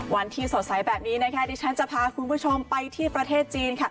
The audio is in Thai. วันที่สดใสแบบนี้นะคะดิฉันจะพาคุณผู้ชมไปที่ประเทศจีนค่ะ